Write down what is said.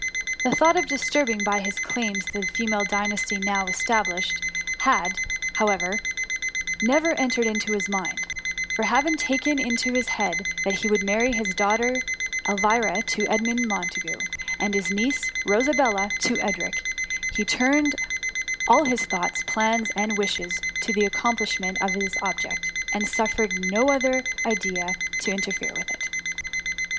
The thought of disturbing by his claims the female dynasty now established, had, however, never entered into his mind, for having taken it into his head that he would marry his daugh* ter Elvira to Edmund Montagu, and his niece Rosabella to Edric, he turned all his thoughts, d2 £8 THE MUMMY. plans, and wishes to the accomplishment of this object, and suffered no other idea to inter fere with it.